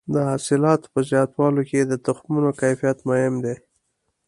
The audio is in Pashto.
د حاصلاتو په زیاتولو کې د تخمونو کیفیت مهم دی.